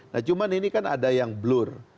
nah cuma ini kan ada yang blur